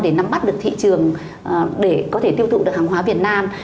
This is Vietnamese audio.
để nắm bắt được thị trường để có thể tiêu thụ được hàng hóa việt nam